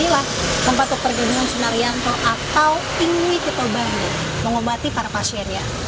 di sinilah tempat dokter gadungan senarianto atau ingui tito bayu mengobati para pasiennya